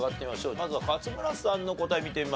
まずは勝村さんの答え見てみましょうか。